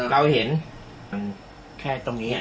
แค่ตรงนี้